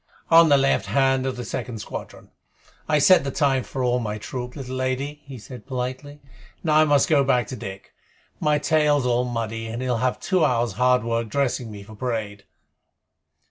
"On the left hand of the second squadron. I set the time for all my troop, little lady," he said politely. "Now I must go back to Dick. My tail's all muddy, and he'll have two hours' hard work dressing me for parade."